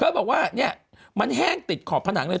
แล้วบอกว่าเนี่ยมันแห้งติดขอบผนังเลย